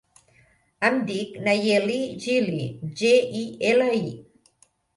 Em dic Nayeli Gili: ge, i, ela, i.